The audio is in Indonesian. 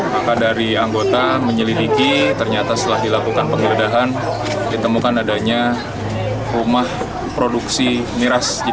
maka dari anggota menyelidiki ternyata setelah dilakukan penggeledahan ditemukan adanya rumah produksi miras